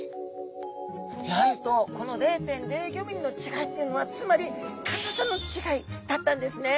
なんとこの０．０５ｍｍの違いっていうのはつまり硬さの違いだったんですね！